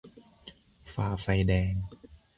- ฝ่าไฟแดง